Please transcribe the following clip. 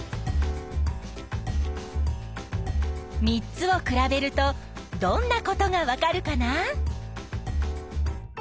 ３つを比べるとどんなことがわかるかな？